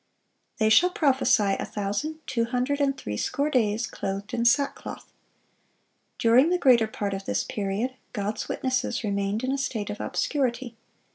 "They shall prophesy a thousand two hundred and threescore days, clothed in sackcloth." During the greater part of this period, God's witnesses remained in a state of obscurity.